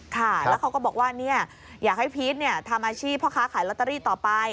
ค่ะแล้วเขาก็บอกว่าอยากให้พีชทำอาชีพพ่อค้าขายลอตเตอรี่ต่อไป